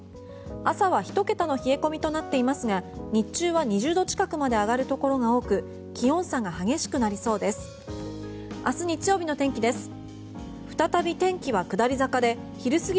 朝は１桁の冷え込みとなっていますが日中は２０度近くまで上がるところが多く気温差が激しくなりそうです。